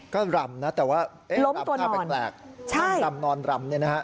ก็รำนะแต่ว่าล้มตัวนอนรำนอนรำเนี่ยนะฮะ